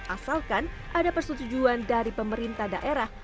asalkan ada persetujuan dari pemerintah daerah